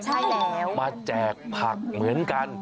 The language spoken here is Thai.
ใช่แล้วมาแจกผักเหมือนกัน